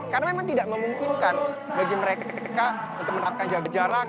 karena memang tidak memungkinkan bagi mereka ketika untuk menerapkan jaga jarak